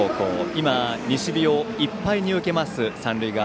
今、西日をいっぱいに受ける三塁側